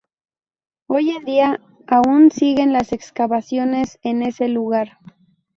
Hoy en día aún siguen las excavaciones en ese lugar.